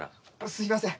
すいません。